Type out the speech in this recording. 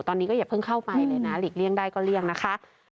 ตอนนี้ก็อย่าเพิ่งเข้าไปเลยนะหลีกเลี่ยงได้ก็เลี่ยงนะคะ